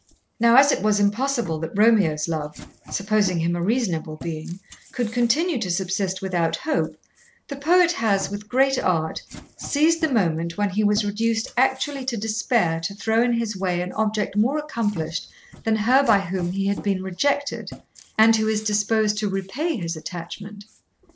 Now, as it was impossible that Romeo's love, supposing him a reasonable being, could continue to subsist without hope, the poet has, with great art, seized the moment when he was reduced actually to despair to throw in his way an object more accomplished than her by whom he had been rejected, and who is disposed to repay his attachment.